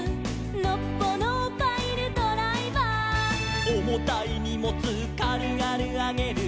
「のっぽのパイルドライバー」「おもたいにもつかるがるあげる」